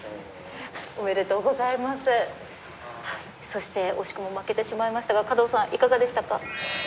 そして惜しくも負けてしまいましたが角さんいかがでしたか？